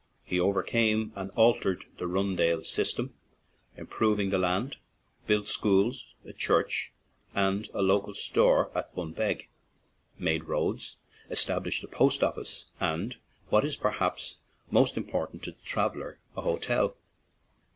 He overcame and altered the rundale system, improved the land, built schools, a church, and a large store at Bunbeg, made roads, es tablished a post office, and, what is perhaps of more importance to the traveler, a hotel.